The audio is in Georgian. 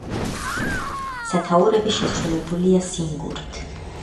სათაურები შესრულებულია სინგურით.